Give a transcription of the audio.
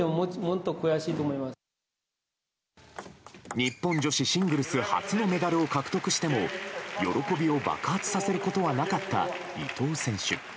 日本女子シングルス初のメダルを獲得しても喜びを爆発させることはなかった伊藤選手。